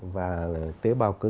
và tế bào cơ